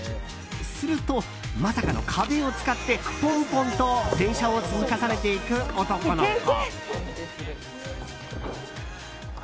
するとまさかの壁を使ってポンポンと電車を積み重ねていく男の子。